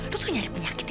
lu tuh nyari penyakit ya